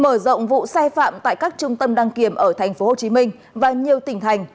mở rộng vụ sai phạm tại các trung tâm đăng kiểm ở tp hcm và nhiều tỉnh thành